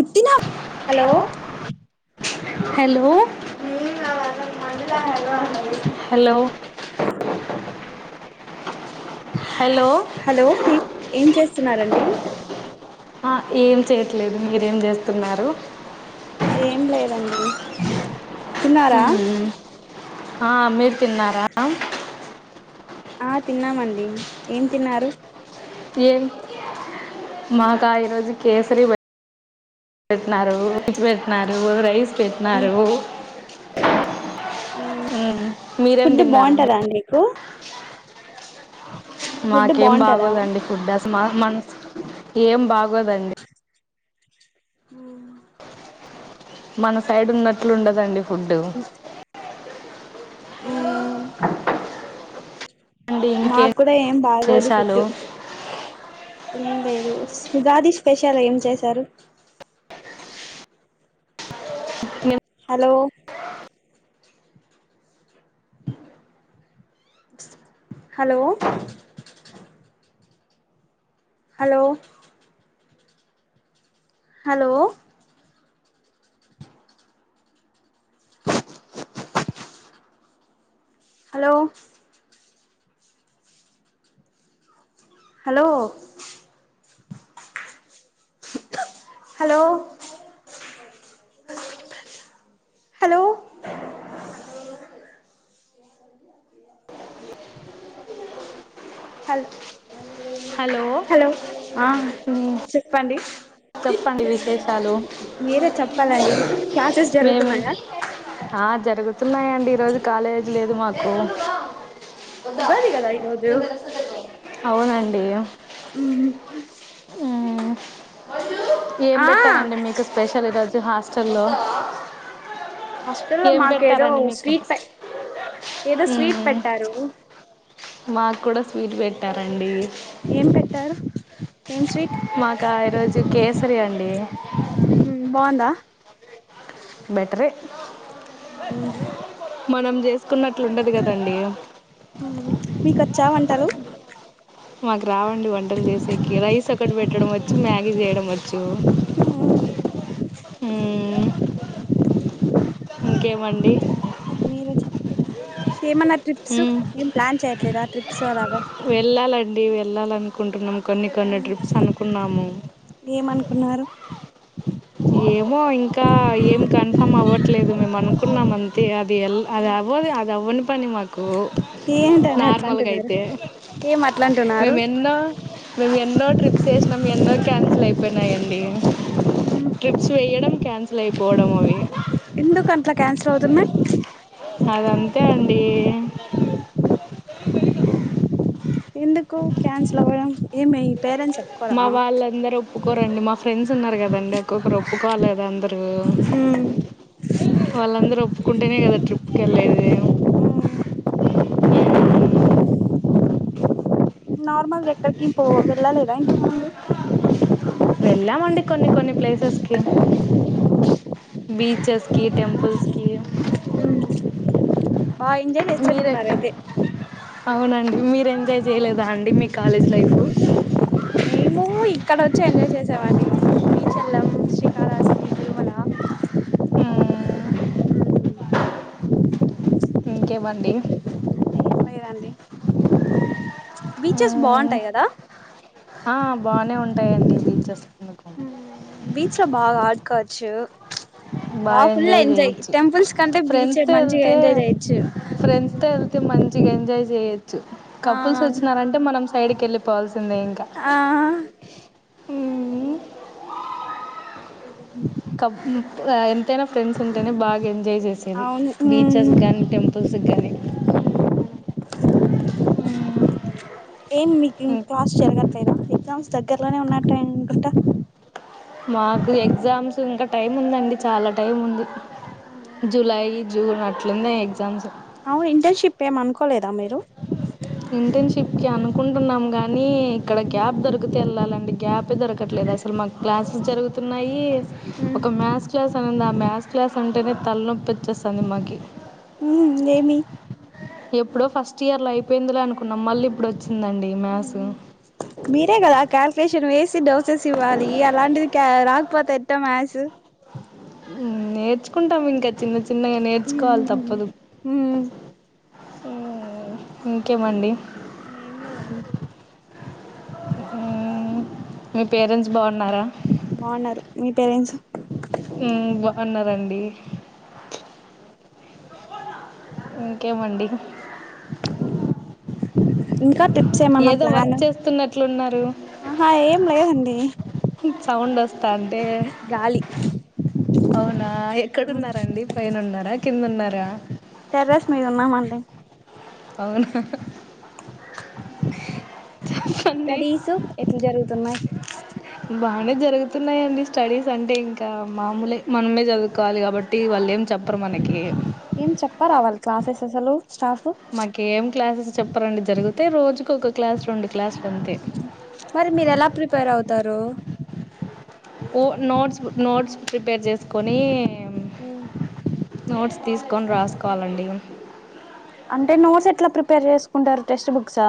ఎత్తిన hello hello hello hello hello ఏం చేస్తున్నారండి. ఆ ఏం చేయట్లేదు. మీరేం చేస్తున్నారు? ఏం లేదండి. తిన్నారా ఆ మీరు తిన్నారా ఆ తిన్నామండి ఏం తిన్నారు ఏం మాకు ఈరోజు కేసరి బట్ పెట్టిన్నారు వె్ పెట్టినారు రైస్ పెట్టినారు ఉ మీరేం ఫుడ్ తిన్నారు బాగుంటదా అండి [inaudible] ఫుడ్ మాకేం బాగుంటదా బాగోదండి ఫుడ్ అస్ మాక్ మాస్ ఏం బాగు బాగోదండి ఉమ్ మన సైడ్ ఉన్నట్లు ఉండదండి ఫుడ్ అ [inaudible] నాకు కూడా ఏం బాగోదు విశేషాలు ఫుడ్దు ఏం లేదు స్ ఉగాది స్పెషల్ ఏం చేశారు ఏం hello hello hello hello hello hello hello hello hello hello ఆ ఉమ్, చెప్పండి చెప్పండి విశేషాలు మీరే చెప్పాలండి క్లాసెస్ మేము జరుగుతున్నాయా ఆ జరుగుతున్నాయండి ఈరోజు కాలేజీ లేదు మాకు ఉందా ఉగాది కదా ఈరోజు నిం ఎలా స అవునండి ఉమ్ ఉమ్ ఏం ఆ పెట్టారంండి మీకు స్పెషల్ ఈరోజు హాస్టల్లో హాస్టల్లో ఏం మాకేదో పెట్టారండి మీకు స్వీట్ పె ఏదో స్వీట్ ఉహూ పెట్టారు మాకు కూడా స్వీట్ పెట్టారండి ఏం పెట్టారు ఏం స్వీట్ మాకా ఈరోజు కేసరి అండి బాగుందా బెటర్ ఎ ఉ మనం జేస్ అవును మీకచ్చా వంటలు మాక్ రావండి వంటలు జేసేకి రైస్ ఒక్కటి బెట్ పెట్టడం వచ్చు మ్యాగీ జేయడం వచ్చు హ్మ ఇంకేమండి మీరే చెప్ల ఏమన్నా ట్రిప్స్ మ్మ్ ఏం ప్లాన్ చేయట్లేదా ట్రిప్స్ అలాగా వెళ్ళాలండి వెళ్ ళ్లాలనుకుంటున్నాం కొన్ని కొన్ని ట్రిప్స్ అనుకున్నాము ఏమనుకున్నారు ఏమో ఇంకా కున్నామంతే అద్ దే ఎల్ అది అవ్వదు అది అవ్వని పని మాకు ఏంటని అట్లా అంటున్నారు నార్మల్గైతే ఏం అట్లంటున్నారు మేము ఎన్నో మేము ఎన్నో ట్రిప్స్ ఏసినాం ఎన్నో ట్రి క్యాన్సల్ అయిపో అయ్యింది ఇగ ట్రిప్స్ వెయ్యడం క్యాన్సిల్ అయిపోవడం అవి ఎందుకు అట్లా క్యాన్సల్ అవుతున్నాయి అదంతే అ డీ ఎందుకు క్యాన్సల్ అవ్వడం ఏమి పేరెంట్స్ మా ఒప్పుకోరా వాళ్ళందరు ఒప్పుకోరండి మా ఫ్రెండ్స్ ఉన్నారు కదండి ఒక్కొక్కరు ఒప్పుకోవాలిదా అందరుూ వాళ్ళందరూ ఒప్ కుంటేనే కదా ట్రిప్కి వెళ్ళేది మ్మ్ నార్మల్గా ఎక్కడికిం పో వెళ్ళాలేద ఇంతకు ముందు వెళ్ళామండి బీచెస్కి టెంపుల్స్కి మ్మ్ బా ఎంజాయ్ చేసిచత్తున్నారు అయితే మ్మ్ మీరు ఎంజాయ్ చేయలేదా అండి మీ కాలేజ్ లైఫ్ మేము ఇక్కడ వచ్చి ఎంజాయ్ చేసాం అండి మీ చలం శ్రీకాళహస్తి తిరుమల మ్మ్ ఇంకేమండి మీరండి మ్మ్ కదా ఆ బానే ఉంటాయండి బీచెస్ కనుకు ట బాగా ఆడుకోవచ్చు బా బాగా ఫుల్ ఎంజాయ్ చేయొచ్చు టెంపుల్స్ కంటే బీచే ఫ్రెండ్స్ తో మంచిగా వెళ్తే ఎంజాయ్ చేయొచ్చు చికెన్ రైస్ చే కపుల్స్ ఆ వచ్చినారంటే మనం సైడ్కి వెళ్ి పోవాలి వస్తుంది ఇంకా ఆ ఉమ్ కపుల్ ఎ ఎంతైన ఫ్రెండ్స్ ఉంటేనే బాగా ఎంజాయ్ చేసేది బీచెస్ గాని అవును టెంపుల్స్ కి గాని ఏం మీకింగ్ క్లాస్ ఎగ్జామ్స్ దగ్గరలోనే ఉన్నట్ఉన్నయ్ అనుకుంటా మాకు ఎగ్జామ్స్ ఇంకా టైం ఉందండి చాలా టైం ఉంది జలై జూన్ అ అట్లు ఉన్నాయి ఎగ్జామ్స్ అవును ఇంటర్నషిప్ ఏమనుకోలేదా మీరు ఇంటర్నషిప్ప్ కి అనుకుంటున్నాం గానీ ఇక్కడ గ్యప్ దొరికితే వెళ్ళాలి ఇలాంటి గ్యాపే దొరకట్లేదు అసలు మాకు క్లాసెస్ జరుగుతున్నాయి ఒక మ్యాథ్స్ క్లాస్ తన ఆ మ్యాథ్ క్లాస్ అంటేనే తలనొప్పి వచ్చేస్తుంది మాకి ఉ మ్ ఏమి ఎప్పుడో ఫస్ట్ ఇయర్ లో అయిపోయిందిలే అనుకున్నాం మళ్ళీ ఇప్పుడు వచ్చి మీరే కదా క్యాల్కులేషన్ వేసి సక్సెస్ ఇవ్వాలి అలాంటిది రాకపోతే ఎట్ట మాక్స్ నేర్చుకుంటాము ఇంకా చిన్న చిన్న చిన్నగా నేర్చుకోవాలి తప్పదు ఉమ్ ఇంకేమండి ఏం లేదండి మీ పేరెంట్స్ బావున్నారా బావున్నారు మీ పేరెంట్స్ బావున్నారు అండి ఇంకేమండి ఇంకా ట్రిప్స్ ఏమన్నా ఏదో వర్క్ ప్లాన్ చేస్తున్నట్లున్నారు ఆహా ఏం లేదండి సౌండ్ వస్తాంటే గాలి అవునా ఎక్కడున్నారండి పైన ఉన్నారా కింద ఉన్నారా టెర్రస్ మీద ఉన్నామండి అవును చెప్పండి స్టడీస్ ఎట్ల జరుగుతున్నాయి బాగానే జరుగుతున్నాయండి స్టడీస్ అంటే ఇంకా మామూలే మనమే చదువుకోవాలి కాబట్టి వాళ్ళు ఏం చెప్పరు మనకి ఏం చెప్పరా వాళ్ళు క్లాసెస్ అసలు స్టాఫ్ మాకేం క్లాసెస్ చెప్పరండి జరుగుతే రోజుకు ఒక క్లాస్ రెండు క్లాసులు అంతే మరి మీరు ఎలా ప్రిపేర్ అవుతు తరు ఓ నోట్స్ నోట్స్ ప్రిపేర్ చేసుకొని నోట్స్ తీసుకొని రాసుకోవాలండి అంటే నోట్స్ ఎట్లా ప్రిపేర్ చేసుకుంటారు టెక్స్ట్ బుక్ అక్ష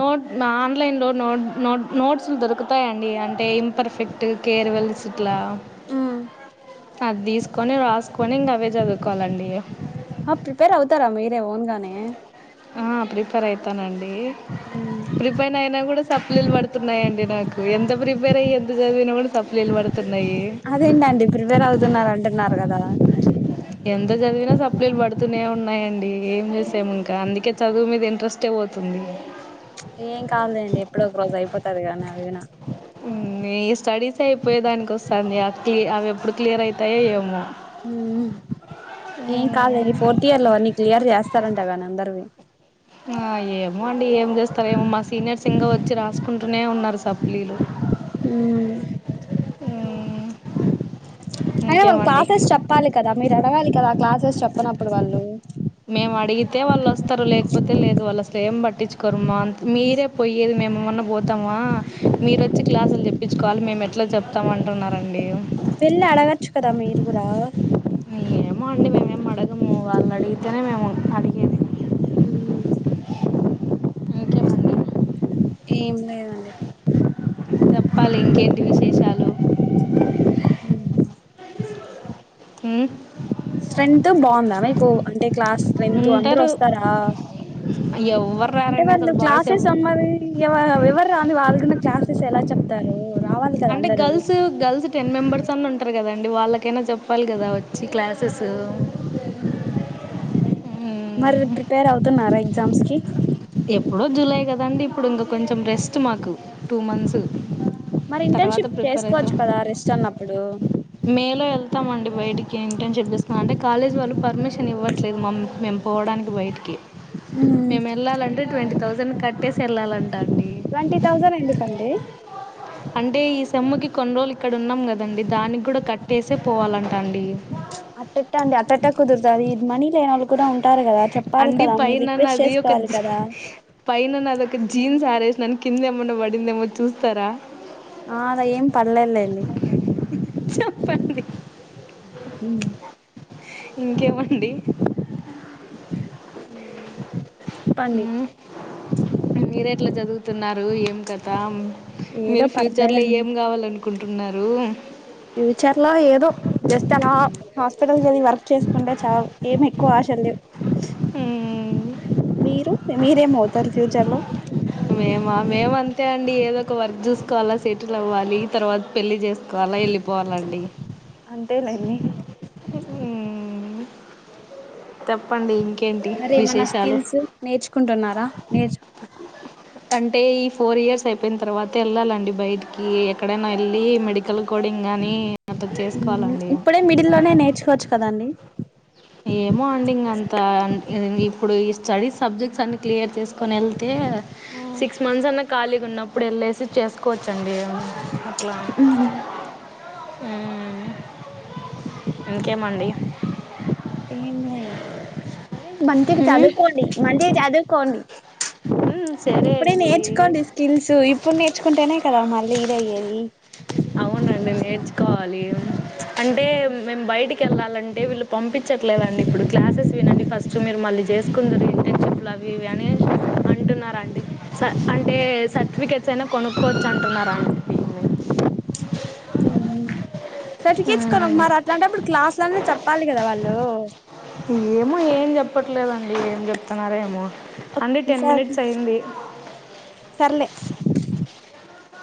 నోట్ ఆన్లైన్లో నోట్ నోట్ నోట్స్లు దొరుకుతాయండి అంటే ఇంపర్ఫెక్ట్ కేర్ వెల్స్ట్లా అది కొని రాసుకొని ఇంకా అవే చదువుకోవాలండి ఆ ప్రిపేర్ అవుతారా మీరే ఓన్గానే. ఆ ప్రిపేర్ అయితానండి. ప్రిపెన్ అయినా కూడా సప్లీలు పడుతున్నాయండి. నాకు ఎంత ప్రిపేర్ అయి ఎంత చదివినా కూడా సప్లీలు పడుతున్నాయి అదేంటండి ప్రిపేర్ అవుతున్నార అంటున్నారు కదా. ఎంత చదివినా సప్లిలు పడుతూనే ఉన్నాయండి ఏం చేసాము ఇంకా అందుకే చదువు మీద ఇంట్రెస్టే పోతుంది. ఏం కాదులేండి ఎప్పుడు ఒక రోజు అయిపోతుంది. దిగానే విన. ఈ స్టడీస్ అయిపోయే దానికి వస్తుంది క్ అవి ఎప్పుడు క్లియర్ అవుతాయో ఏమో. హ ఏ ఉమ్, కాలరి పోర్. యర్ లో అన్ని క్లియర్ చేస్తారంట కానీ అందరవి ఆ ఏమో అండి ఏం చేస్తారు ఏమో మా సీనియర్స్ ఇంగ వచ్చి రాసుకుంటూనే ఉన్నారు. సప్లీలు. హ్మ్మ్. అయిన వాళ్ళ క్లాసెస్ చెప్పాలి కదా మీరు. అడగాలి కదా క్లాసెస్ చెప్పనప్పుడు వాళ్ళు. మేము అడిగితే వాళ్ళు వస్తారు లేకపోతే లేదు వాళ్ళ అసలు ఏం పట్టించుకోరు. మీరే పోయ్యేది మేమున్న. పోతామా మీరు వచ్చి క్లాసులు చెప్పిచ్చుకోవాలి మేము ఎట్లా చెప్తామ అంటున్నారండి. వెళ్ళి అడగచ్చు కదా మీరు కూడా ఏమో అండి మేమేం అడగము వాళ్ళు అడిగితేనే మేము అడిగేది. ఇంకేమండి ఏం లేదండి. చెప్పాలి ఇంకేంటి విశేషాలు. [inaudible] మ్. స్ట్రెంగ్త్ బాగుందా మీకు అంటే క్లాస్ స్ట్రెంగ్త్ అందరు ఉంటారు వస్తారా ఎవ్వరు అంటే రారండి వాళ్ళు అసలు బాయ్స్ ఎవ్ క్లాసెస్ రమ్మని ఎవరు రాని వాళ్ళు. క్లాన్సెస్ ఎలా చెప్తారు. రావాలి కదా అంటే అందరూ గర్ల్స్ గర్ల్స్ టెన్ మెంబర్స్. [unintelligible] ఉంటారు కదండి వాళ్ళకైనా జొప్పాలి గదా వచ్చి క్లాసెస్. మరి ఉమ్ ప్రిపేర్ అవుతున్నన్నార ఎగ్జామ్స్ కి ఎప్పుడో జులై కద అండి ఇప్పుడు ఇంగ కొంచెం రెస్ట్ మాకు. టూ మంత్స్ మరి తర్వాత ఇంటర్న్షిప్ ప్రిపేర్ అయితాం చేసుకోవచ్చు కదా రెస్ట్ అన్నప్పుడు మేలో వెళ్తామండి. బయటికి ఇంటర్న్షపిస్తున్నా అంటే కాలేజ్ వాళ్ళు పర్మిషన్ ఇవ్వట్లేదు మమ్ మేము పోవడానికి బయటికి. మేము వెళ్ళాలని ట్వంటీ తౌజండ్ కట్టేసి వెళ్ళాలంటా అండి ట్వంటీ థౌజండ్ ఎందుకండి. అంటే ఈ సెమ్ముకి కొన్ని రోజులు ఇక్కడ ఉన్నాం కద అండి దానికి గూడా కట్టేసే పోవాలంటా అండి. అట్టెట్ట అండి అట్టెట్టా కుదురుతాది ఇది మనీ లే నొళ్ళు కూడా ఉం అండి పైననాది ఒక చేసుకోవాలి జీ కదా పైన నాది ఒక జీన్స్ ఆరే సినన్ కింద ఏమన్న పడిందేమో చూస్తారా లె చెప్పండి హ ఇంకేమండి అ ఉ మీర ఎట్లా జదువుతున్నారు ఏం కతామ్ ఏదో మీరు ఫ్యూచర్లో పర్లేదండి ఏం గావాలనుకుంటున్నారు ఫ్యూచర్ లో ఏదో జస్ట్ అలా హాస్పిటల్ కెళ్ళి వర్క్ చేసుకుంటే చాలు ఏమి ఎక్కువ ఆశల్ లేవు మ్మ్. మీరు మీరేమవుతారు ఫ్యూచర్ లో మేమా మేము అంతే అండి ఏదో ఒక వర్క్ జూసుకోవాల్ల సెటిల్ అవ్వాలి తర్వాత పెళ్ళి జేసుకోవాలా వెళ్ళిపోవాలండి అంతేలేండి ఊ తెప్పండి ఇం మరి ఏమన్నా స్కిల్స్ నేర్చుకుంటున్నారా నేర్చు అంటే ఈ ఫోర్ ఇయర్స్ అయిపోయిన తర్వాత ఎళ్ళాలండి బయటికి ఎక్కడైనా ఎళ్ళి మెడికల్ కోడింగ్ గానీ ఇప్పుడే మిడిల్ లోనే నేర్చుకోవచ్చు కదండి ఏమో అండి ఇంగ అంత ఇప్పుడు ఈ స్టడీస్ సబ్జెక్ట్స్ అన్ని క్లియర్ చేసుకొని ఎళ్ ళ్తే ఆ సిక్స్ మంత్స్ అన్న ఖాళీగా ఉన్నప్పుడు వెళ్ళేసి చేసుకోవచ్చండి. వలాం ఆ ఇంకేమండి [unintelligible] ఏంలే సరే మంచిగా మ్మ్ చదువుకోండి, మంచిగా చదువుకోండి. సరే ఇప్పుడే అండి నేర్చుకోండి స్కిల్స్ ఇప్పుడు నేర్చుకుంటేనే కదా మళ్ళీ యూస్ అయ్యేది. అవునండి నేర్చుకోవాలి అంటే మేము బయటికి వెళ్ళాలంటే వీళ్ళు పంపించట్లేదండి ఇప్పుడు క్లాసెస్ వినండి ఫస్ట్ మీరు మళ్ళీ చేసుకుందిరు ఇంటర్న్షిప్లు అవి ఇవి అని, అంటున్నరండి స అంటే సర్టిఫికెట్స్ అయినా కొనుక్కోవచ్చు అంటున్నారండి. సర్టిఫికెట్స్ కాదుఅంటున్నారా మరి అట్లాంటప్పుడు క్లాసులన చెప్పాలి కదా వాళ్ళు, ఏమో ఏం చెప్పట్లేదండి ఏం చెప్తున్నారో, ఓ అంటే టెన్ సర్ మినిట్స్ అయింది. సర్లే